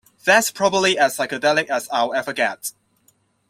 That's probably as psychedelic as I'll ever get.